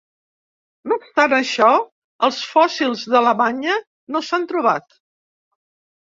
No obstant això, els fòssils de la banya no s'han trobat.